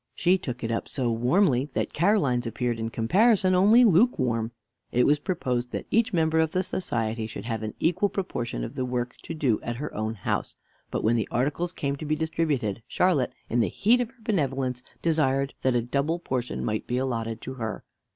She took it up so warmly that Caroline's appeared, in comparison, only lukewarm. It was proposed that each member of the society should have an equal proportion of the work to do at her own house; but when the articles came to be distributed, Charlotte, in the heat of her benevolence, desired that a double portion might be allotted to her.